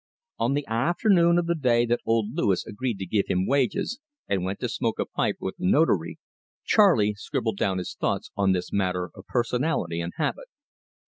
On the afternoon of the day that old Louis agreed to give him wages, and went to smoke a pipe with the Notary, Charley scribbled down his thoughts on this matter of personality and habit.